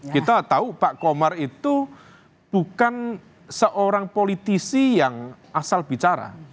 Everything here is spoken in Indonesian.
kita tahu pak komar itu bukan seorang politisi yang asal bicara